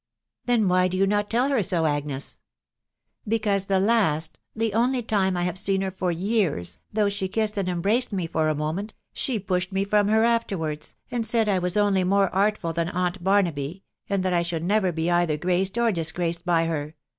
Then why do you not tell her so, Agnes ?'• Because the last — the only time I have seen her for yean, though she kissed and embraced me for a moment, she pushed me from her afterwards, and said I was only more artful than aunt Barnaby, and that I should never be either graced or dis graced by her